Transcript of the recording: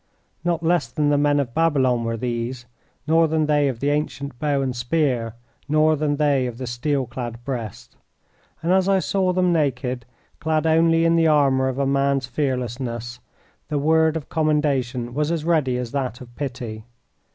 Not less than the men of Babylon were these, nor than they of the ancient bow and spear, nor than they of the steel clad breast; and as I saw them naked, clad only in the armor of a man's fearlessness, the word of commendation was as ready as that of pity.